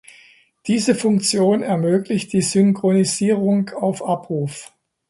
Diese Funktion ermöglicht die Synchronisierung auf Abruf.